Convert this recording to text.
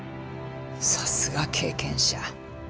さすが経験者。